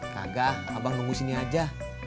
kagah abang nunggu sini aja